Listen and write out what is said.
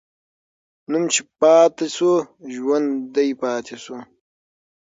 نوم چې پاتې سو، ژوندی پاتې سو.